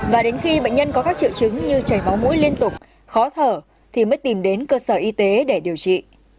và đến khi bệnh nhân có các triệu chứng như chảy máu mũi liên tục khó thở thì mới tìm đến cơ sở y tế để điều trị